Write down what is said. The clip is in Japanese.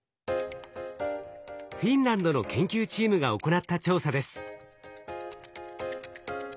フィンランドの研究チームが行った調査です。